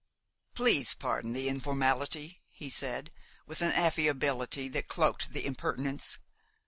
"Please pardon the informality," he said, with an affability that cloaked the impertinence.